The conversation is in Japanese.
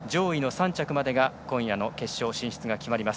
上位の３着までが今夜の決勝進出が決まります。